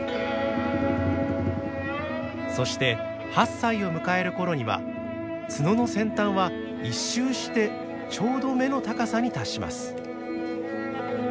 そして８歳を迎える頃には角の先端は１周してちょうど目の高さに達します。